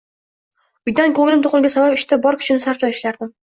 Uydan ko'nglim to'qligi sabab ishda bor kuchimni sarflab ishlardim